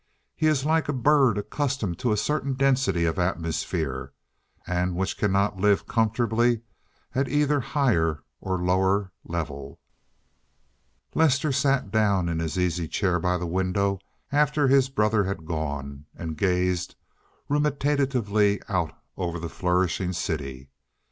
He is like a bird accustomed to a certain density of atmosphere, and which cannot live comfortably at either higher or lower level. Lester sat down in his easy chair by the window after his brother had gone and gazed ruminatively out over the flourishing city.